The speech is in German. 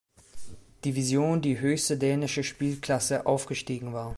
Division, die höchste dänische Spielklasse, aufgestiegen war.